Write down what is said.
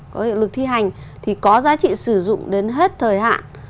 có hiệu lực thi hành thì có giá trị sử dụng đến hết thời hạn